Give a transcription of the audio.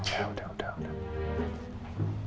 yaudah udah udah